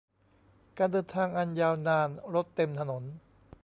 การเดินทางอันยาวนาน รถเต็มถนน